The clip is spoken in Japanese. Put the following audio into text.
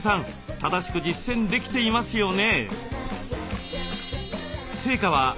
正しく実践できていますよね？